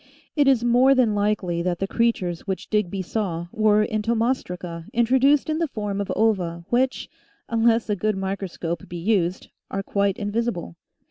It is more than likely that the creatures which Digby saw were entomostraca introduced in the form of ova which, unless a good microscope be used, are quite invisible.